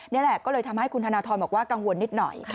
นี่แหละก็เลยทำให้คุณธนทรบอกว่ากังวลนิดหน่อย